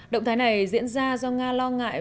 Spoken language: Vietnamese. động thái này diễn ra do nga lo ngại